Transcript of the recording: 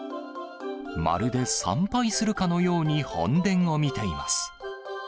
まるで参拝するかのように本殿を見ています。